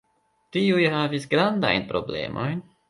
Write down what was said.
Tiuj havis grandajn problemojn.